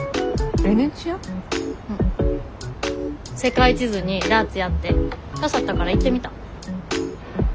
世界地図にダーツやって刺さったから行ってみた。